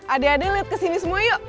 ade ade liat kesini semua yuk